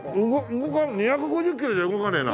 動かない２５０キロじゃ動かねえな。